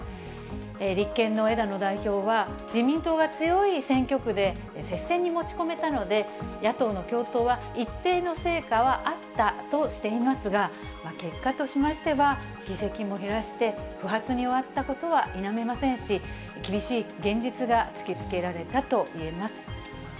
立憲の枝野代表は、自民党が強い選挙区で接戦に持ち込めたので、野党の共闘は一定の成果はあったとしていますが、結果としましては、議席も減らして、不発に終わったことは否めませんし、厳しい現実が突きつけられたといえます。